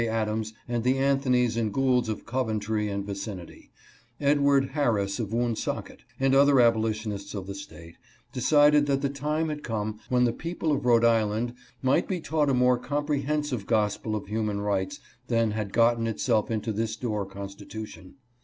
Adams, and the Anthonys and Goulds of Coventry and vicinity, Edward Harris of Woonsocket, and other aboli tionists of the State, decided that the time had come when the people of Rhode Island might be taught a more comprehensive gospel of human rights than had gotten itself into this Dorr constitution.